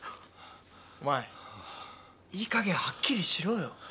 お前いいかげんはっきりしろよ。